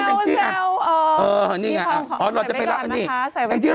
อ๋อเองจี้แล้วแสดงแก๊กตัวนี้หรอ